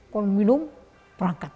kalau minum perangkat